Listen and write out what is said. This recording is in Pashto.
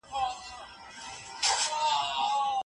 زده کړه د ښځو د حقونو د پرمختګ لپاره لازمي ده.